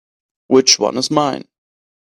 Which one is mine?